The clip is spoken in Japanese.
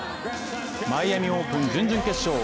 マイアミ・オープン準々決勝